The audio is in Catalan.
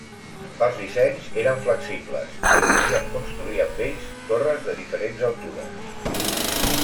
Els dissenys eren flexibles i es podien construir amb ells torres de diferents altures.